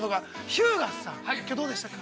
日向さん、きょうはどうでしたか。